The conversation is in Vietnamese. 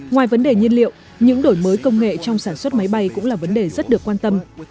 ngoài vấn đề nhiên liệu những đổi mới công nghệ trong sản xuất máy bay cũng là vấn đề rất được quan tâm